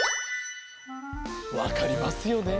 わかりますよね？